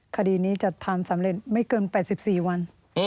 คดีนี้จะทำสำเร็จไม่เกิน๘๔วัน